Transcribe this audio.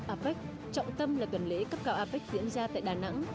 apec trọng tâm là tuần lễ cấp cao apec diễn ra tại đà nẵng